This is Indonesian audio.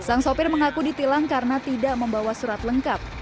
sang sopir mengaku ditilang karena tidak membawa surat lengkap